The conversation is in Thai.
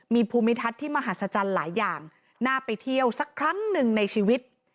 มีภูมิทัศน์ที่มหัศจรรย์หลายอย่างน่าไปเที่ยวสักครั้งหนึ่งในชีวิต